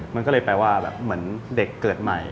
มันก็เลยแปลว่าแบบเหมือนเด็กเกิดใหม่